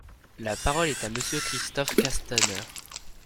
La parole est à Monsieur Christophe Castaner.